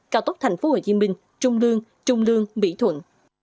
cao tốc thành phố hồ chí minh trung lương trung lương mỹ thuận